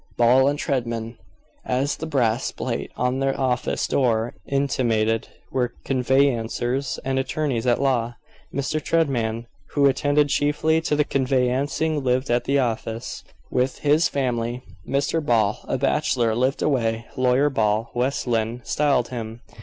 Ball & Treadman, as the brass plate on their office door intimated, were conveyancers and attorneys at law. Mr. Treadman, who attended chiefly to the conveyancing, lived at the office, with his family. Mr. Ball, a bachelor, lived away; Lawyer Ball, West Lynne styled him.